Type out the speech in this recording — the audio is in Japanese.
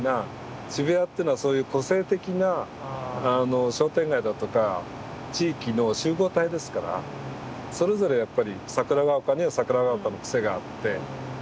渋谷っていうのはそういう個性的な商店街だとか地域の集合体ですからそれぞれやっぱり桜丘には桜丘のクセがあって。